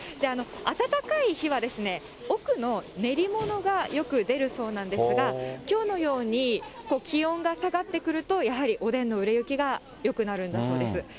暖かい日はですね、奥の練り物がよく出るそうなんですが、きょうのように気温が下がってくると、やはりおでんの売れ行きがよくなるんだそうです。